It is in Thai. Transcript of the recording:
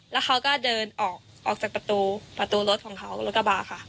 แล้วเขาก็เดินออกจากประตูรถเขาเลือดกระบะครับ